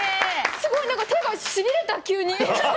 すごい何か手がしびれた急に。